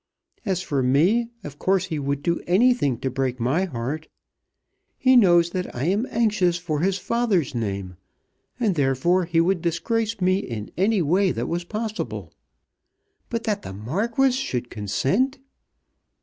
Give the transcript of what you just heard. As for me, of course, he would do anything to break my heart. He knows that I am anxious for his father's name, and, therefore, he would disgrace me in any way that was possible. But that the Marquis should consent!"